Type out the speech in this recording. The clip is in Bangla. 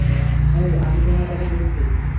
হেই, আমি তোমার কথা বুঝেছি!